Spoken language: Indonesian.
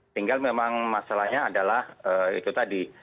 tinggal memang masalahnya adalah itu tadi